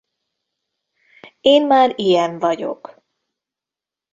Én már ilyen vagyok.